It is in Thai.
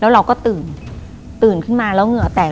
เราก็ตื่นตื่นขึ้นมาแล้วเหงื่อแตก